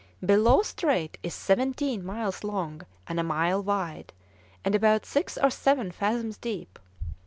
Bellot Strait is seventeen miles long and a mile wide, and about six or seven fathoms deep.